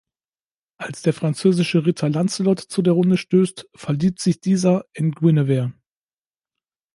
Als der französische Ritter Lancelot zu der Runde stößt, verliebt sich dieser in Guinevere.